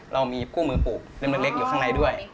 เรามีคู่มือปลูกเล่มเล็กอยู่ข้างในด้วย